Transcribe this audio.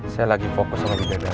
saya lagi fokus sama benda benda